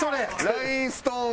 ラインストーン。